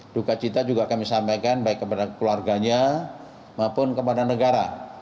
duka cita juga kami sampaikan baik kepada keluarganya maupun kepada negara